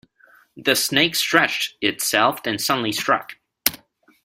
The snake stretched itself, then suddenly struck.